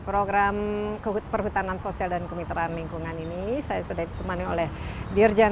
program perhutanan sosial dan kemitraan lingkungan ini saya sudah ditemani oleh dirjen